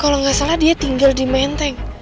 kalau nggak salah dia tinggal di menteng